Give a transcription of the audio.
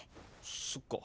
そっか。